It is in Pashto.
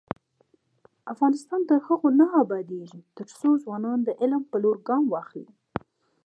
افغانستان تر هغو نه ابادیږي، ترڅو ځوانان د علم په لور ګام واخلي.